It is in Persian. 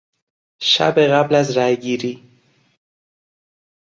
شب قبل از رای گیری